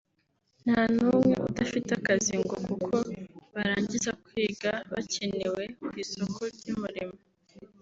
nta numwe udafite akazi ngo kuko barangiza kwiga bakenewe ku isoko ry’umurimo